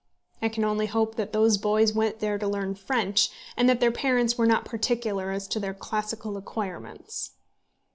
I can only hope that those boys went there to learn French, and that their parents were not particular as to their classical acquirements.